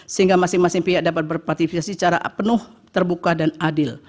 sehingga masing masing pihak dapat berpartisipasi secara penuh terbuka dan adil